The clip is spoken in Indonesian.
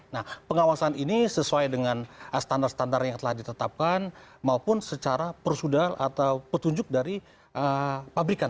nah pengawasan ini sesuai dengan standar standar yang telah ditetapkan maupun secara prosedural atau petunjuk dari pabrikan